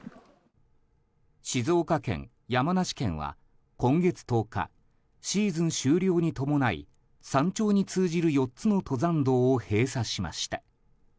静岡県、山梨県は今月１０日シーズン終了に伴い山頂に通じる４つの登山道を閉鎖しました。